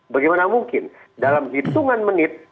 bagaimana mungkin dalam hitungan menit